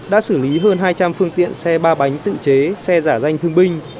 đã xử lý hơn hai trăm linh phương tiện xe ba bánh tự chế xe giả danh thương binh